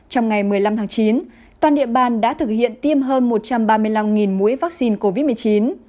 trong ngày một mươi năm tháng chín toàn địa bàn đã thực hiện tiêm hơn một trăm ba mươi năm mũi vaccine covid một mươi chín